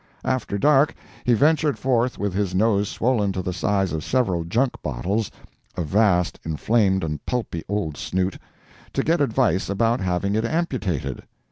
After dark, he ventured forth with his nose swollen to the size of several junk bottles—a vast, inflammed and pulpy old snoot—to get advice about having it amputated.